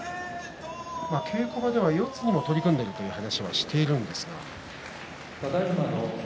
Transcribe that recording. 稽古場では四つも取り組んでいるという話をしているんですが。